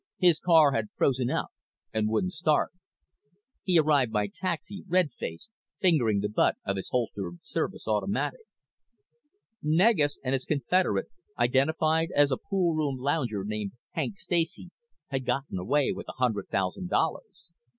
His car had frozen up and wouldn't start. He arrived by taxi, red faced, fingering the butt of his holstered service automatic. Negus and his confederate, identified as a poolroom lounger named Hank Stacy, had gotten away with a hundred thousand dollars.